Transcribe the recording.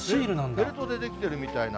フェルトで出来てるみたいな。